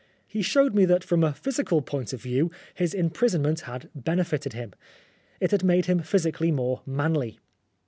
He showed me that, from a physical 233 Oscar Wilde point of view, his imprisonment had bene fited him. It had made him physically more manly.